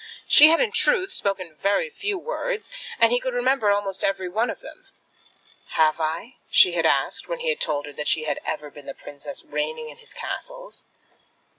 She had in truth spoken very few words, and he could remember almost every one of them. "Have I?" she had asked, when he told her that she had ever been the princess reigning in his castles.